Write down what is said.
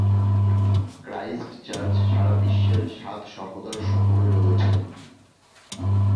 Christchurch সারা বিশ্বের সাত সহোদর শহরে রয়েছে।